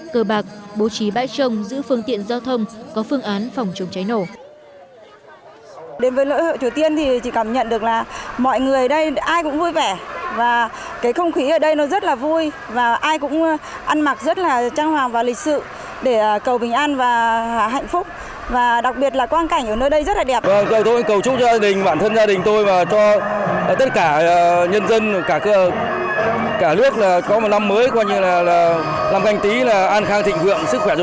cơ bạc bố trí bãi trông giữ phương tiện giao thông có phương án phòng chống cháy nổ